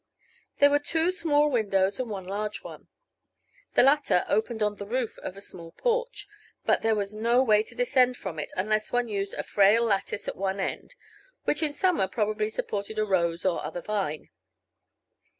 There were two small windows and one large one. The latter opened upon the roof of a small porch, but, there were no way to descend from it unless one used a frail lattice at one end, which in summer probably supported a rose or other vine.